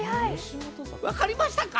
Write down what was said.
分かりましたか？